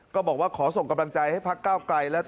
ก็บอกว่าขอส่งกำลังใจให้พักเก้าไกล